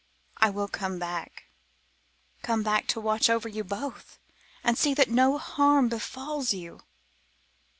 I will come back. Come back to watch over you both and see that no harm befalls you."